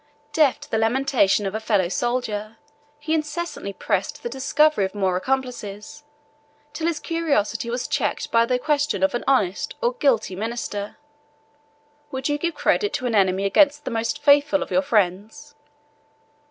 Deaf to the lamentation of a fellow soldier, he incessantly pressed the discovery of more accomplices, till his curiosity was checked by the question of an honest or guilty minister: "Would you give credit to an enemy against the most faithful of your friends?"